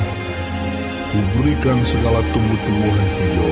aku berikan segala tumbuh tumbuhan hijau